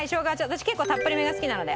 私結構たっぷりめが好きなので。